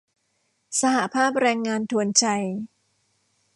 สหภาพแรงงานทวนไชย์